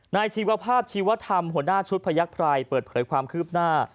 ชีวภาพชีวธรรมหัวหน้าชุดพยักษ์ไพรเปิดเผยความคืบหน้า